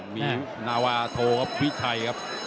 มีนาวาโทวิชัยครับ